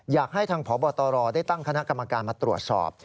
อยากให้ทางพบตรได้ตั้งคณะกรรมการมาตรวจสอบ